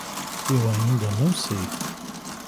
Eu ainda não sei